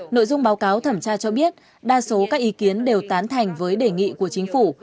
nội dung báo cáo thẩm tra cho biết đa số các ý kiến đều tán thành với đề nghị của chính phủ